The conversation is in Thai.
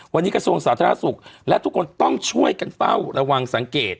วันนี้กระทรวงสาธารณสุขและทุกคนต้องช่วยกันเฝ้าระวังสังเกต